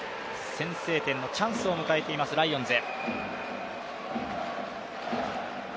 先制点のチャンスを迎えていますライオンズ。